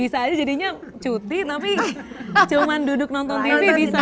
bisa aja jadinya cuti tapi cuma duduk nonton tv bisa